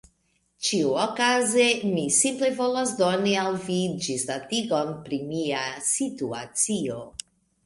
Ĉiuokaze, mi simple volas doni al vi ĝisdatigon pri mia situacio.